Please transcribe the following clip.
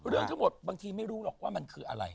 เรื่องทั้งหมดบางทีไม่รู้หรอกว่ามันคืออะไร